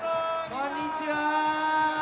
こんにちは。